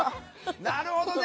なるほどね。